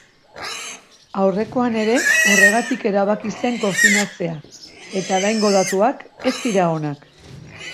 Aurrekoan ere horregatik erabaki zen konfinatzea, eta oraingo datuak ez dira onak.